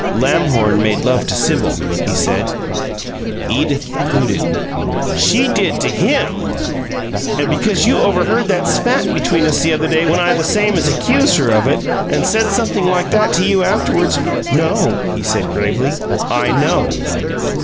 "Lamhorn made love to Sibyl," he said. Edith hooted. "SHE did to HIM! And because you overheard that spat between us the other day when I the same as accused her of it, and said something like that to you afterward " "No," he said, gravely. "I KNOW."